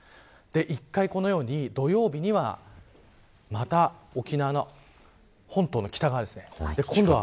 １回、土曜日にはまた、沖縄の本島の北側です。